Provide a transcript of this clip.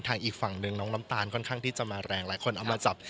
อีกฝั่งหนึ่งน้องน้ำตาลค่อนข้างที่จะมาแรงหลายคนเอามาจับ